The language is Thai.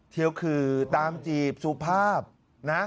ทีลคือตามจีบสุภาพนะ